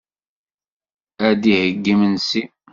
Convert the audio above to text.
Ad d-iheyyi imensi.